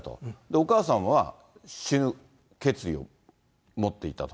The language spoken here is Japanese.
お母様は死ぬ決意を持っていたと。